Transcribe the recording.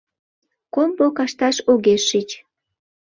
Комбо кашташ огеш шич.